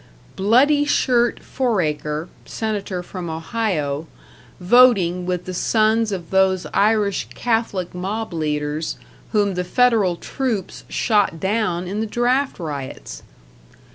"Bloody shirt" Foraker, senator from Ohio, voting with the sons of those Irish Catholic mob leaders whom the Federal troops shot down in the draft riots!